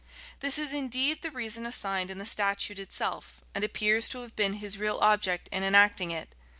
This is indeed, the reason assigned in the statute itself, and appears to have been his real object in enacting it.